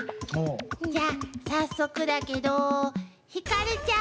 じゃあ早速だけどひかるちゃん。